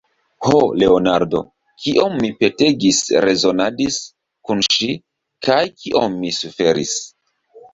Ho, Leonardo, kiom mi petegis, rezonadis kun ŝi, kaj kiom mi suferis!